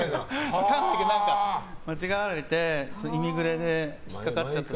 分かんないけど何か間違われてイミグレで引っかかっちゃって。